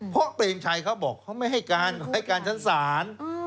เพราะเปรมชัยเขาบอกเขาไม่ให้การเขาให้การชั้นศาล